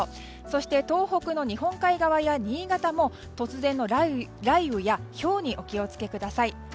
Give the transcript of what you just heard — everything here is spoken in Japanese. そして、東北の日本海側や新潟も突然の雷雨やひょうにお気を付けください。